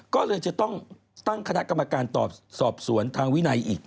ก็เลยจะต้องตั้งคณะกรรมการสอบสวนทางวินัยอีก